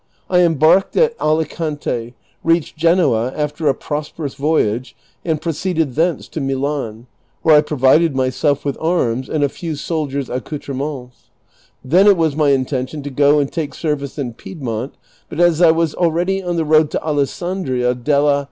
I embarked at Alicante, reached Genoa after a prospei'ous voyage, and proceeded thence to Milan, whei e I provided myself with arms and a few soldier's accoutrements ; then it was my intention to go and take service in Piedmont, but as I was already on the road to Alessandria della ' Trov.